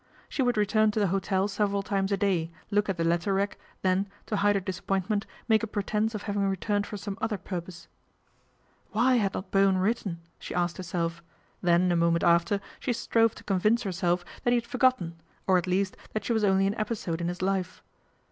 She would return to the hotel several times a day, look at the letter rack, then, to hide her disappointment, make a pretence of having returned for some other purpose. " Why had not Bowen written ?" she asked herself, then a moment after she strove to convince herself that I he had forgotten, or at least that she was only an episode in his life.